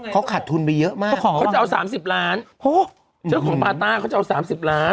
เขาขาดทุนไปเยอะมากเขาจะเอาสามสิบล้านเพราะเจ้าของปาต้าเขาจะเอาสามสิบล้าน